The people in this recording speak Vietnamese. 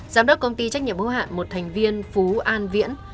giám đốc công ty trách nhiệm hữu hạn một thành viên phú an viễn